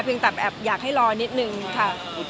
ยังแต่แอบอยากให้รอนิดนึงค่ะ